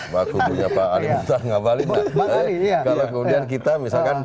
kalau kemudian kita misalkan